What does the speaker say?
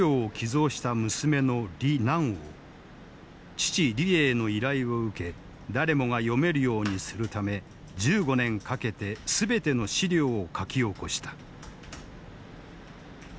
父李鋭の依頼を受け誰もが読めるようにするため１５年かけて全ての史料を書き起こした。